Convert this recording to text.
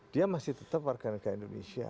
dia masih tetap warga negara indonesia